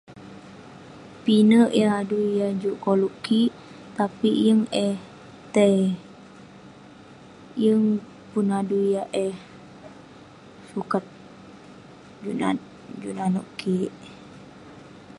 Pinak yah adui yah juk koluk kik, tapi'k yeng eh tai..yeng pun adui yah eh sukat juk nanouk kik..